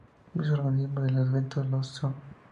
Muchos organismos del bentos lo son.